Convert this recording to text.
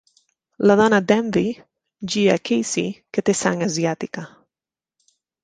La dona d'Envy, Gia Casey, que té sang asiàtica.